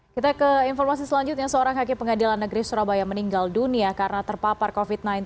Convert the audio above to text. kita ke informasi selanjutnya seorang hakim pengadilan negeri surabaya meninggal dunia karena terpapar covid sembilan belas